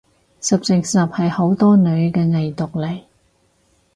十成十係好多女嘅偽毒嚟